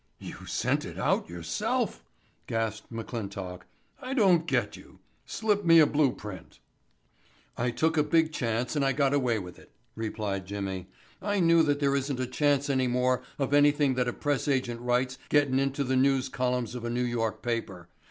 "You sent it out yourself!" gasped McClintock. "I don't get you. Slip me a blueprint." "I took a big chance and I got away with it," replied Jimmy. "I knew that there isn't a chance any more of anything that a press agent writes gettin' into the news columns of a New York paper.